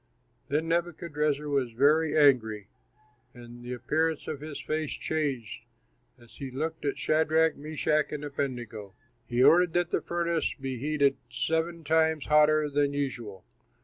Then Nebuchadrezzar was very angry and the appearance of his face changed, as he looked at Shadrach, Meshach, and Abednego. He ordered that the furnace should be heated seven times hotter than usual.